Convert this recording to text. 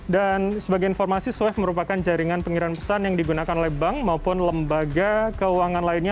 dan sebagai informasi swift merupakan jaringan pengiriman pesan yang digunakan oleh bank maupun lembaga keuangan lainnya